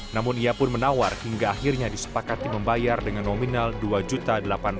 namun ia pun menawar hingga akhirnya disepakati membayar dengan nominal rp dua delapan ratus